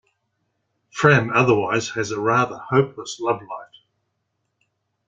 Fran otherwise has a rather hopeless love life.